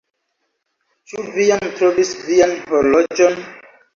Ĉu vi jam trovis vian horloĝon?